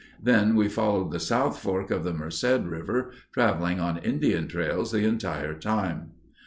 Then we followed the South Fork of the Merced River, traveling on Indian trails the entire time.